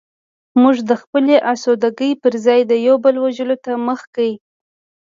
موږ د خپلې اسودګۍ پرځای د یو بل وژلو ته مخه کړه